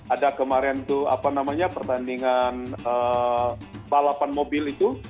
ada kemarin itu apa namanya pertandingan balapan mobil itu